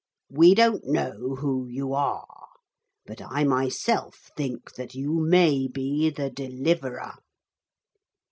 We don't know who you are. But I myself think that you may be the Deliverer.'